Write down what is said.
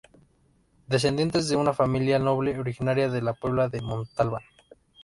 Descendiente de una familia noble originaria de la Puebla de Montalbán.